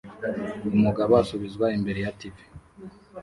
Umugabo asubizwa imbere ya TV